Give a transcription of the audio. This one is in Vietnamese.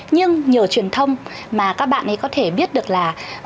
nhưng nhờ truyền thông mà các bạn ấy có thể biết được là